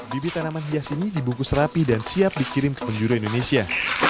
bibit tanaman hias ini dibungkus rapi dan siap dikirim ke penjuru indonesia